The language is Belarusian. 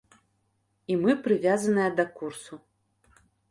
І мы прывязаныя да курсу.